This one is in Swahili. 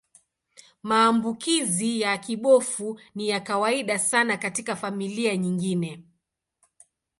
Maambukizi ya kibofu ni ya kawaida sana katika familia nyingine.